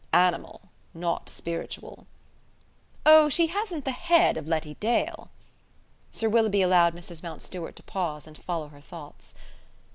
"Animal; not spiritual!" "Oh, she hasn't the head of Letty Dale." Sir Willoughby allowed Mrs. Mountstuart to pause and follow her thoughts.